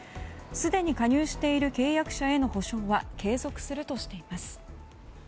すでに加入している契約者への補償は継続するとしています。